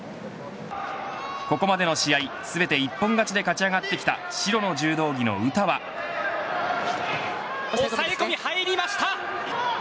ここまでの試合、全て一本勝ちで勝ち上がってきた抑え込み入りました。